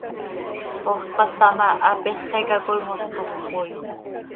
Ox tpacta ma, hapéxeca coi mos toc cömoii.